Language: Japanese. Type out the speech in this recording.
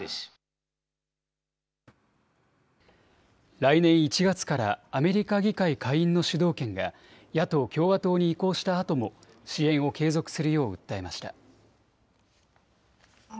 来年１月からアメリカ議会下院の主導権が野党・共和党に移行したあとも支援を継続するよう訴えました。